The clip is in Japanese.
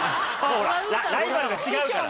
ほらライバルが違うから。